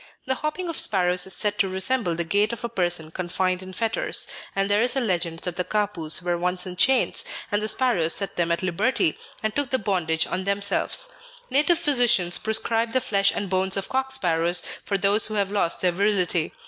The hopping of sparrows is said to resemble the gait of a person confined in fetters, and there is a legend that the Kapus were once in chains, and the sparrows set them at liberty, and took the bondage on themselves. Native physicians prescribe the flesh and bones of cock sparrows for those who have lost their virility.